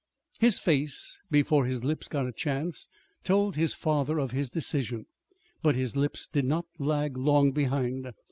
His face, before his lips got a chance, told his father of his decision. But his lips did not lag long behind.